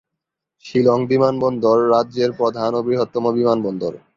শিলং বিমানবন্দর রাজ্যের প্রধান ও বৃহত্তম বিমানবন্দর।